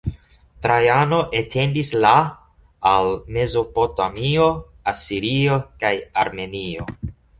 Trajano etendis la al Mezopotamio, Asirio kaj Armenio.